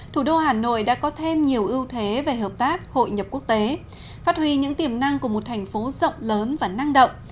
thủ đô hà nội đã có thêm nhiều ưu thế về hợp tác hội nhập quốc tế phát huy những tiềm năng của một thành phố rộng lớn và năng động